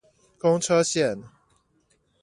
公車線